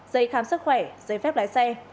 giấy khám sức khỏe giấy phép lái xe